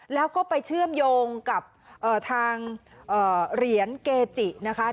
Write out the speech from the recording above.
แล้วก็ไปเชื่อมโยงกับทางเหรียญเกจินะคะ